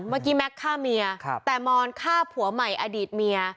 เมื่อกี้แม็กซ์ฆ่าเมียแต่มอนฆ่าผัวใหม่อดีตเมีย